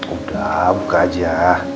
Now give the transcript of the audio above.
udah buka aja